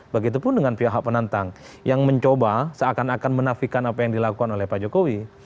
begitupun dengan pihak penantang yang mencoba seakan akan menafikan apa yang dilakukan oleh pak jokowi